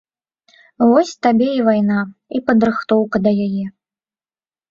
Вось табе і вайна, і падрыхтоўка да яе.